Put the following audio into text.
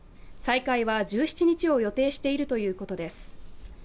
再開は１７日を予定しているということです。